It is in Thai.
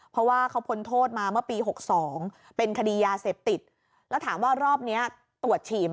เพราะว่าเขาพ้นโทษมาเมื่อปี๖๒เป็นคดียาเสพติดแล้วถามว่ารอบนี้ตรวจฉี่ไหม